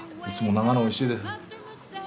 いつもながらおいしいです。